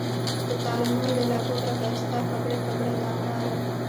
ستالمن د لکو ډکه، ستا پګړۍ، پګړۍ داغداره